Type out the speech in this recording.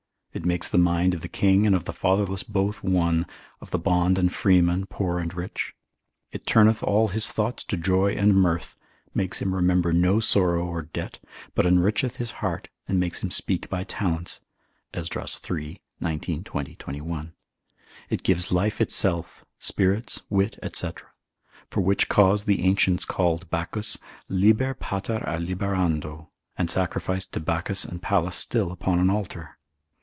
It makes the mind of the king and of the fatherless both one, of the bond and freeman, poor and rich; it turneth all his thoughts to joy and mirth, makes him remember no sorrow or debt, but enricheth his heart, and makes him speak by talents, Esdras iii. 19, 20, 21. It gives life itself, spirits, wit, &c. For which cause the ancients called Bacchus, Liber pater a liberando, and sacrificed to Bacchus and Pallas still upon an altar.